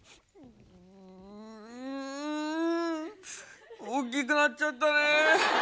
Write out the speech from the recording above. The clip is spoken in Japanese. ん大きくなっちゃったね。